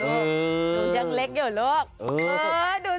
หนูยังเล็กอยู่ลูก